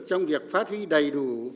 trong việc phát huy đầy đủ